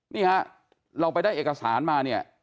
นี่ฮะเราไปได้เอกสารมาเนี่ย